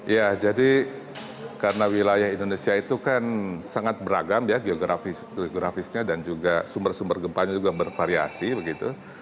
ya jadi karena wilayah indonesia itu kan sangat beragam ya geografisnya dan juga sumber sumber gempanya juga bervariasi begitu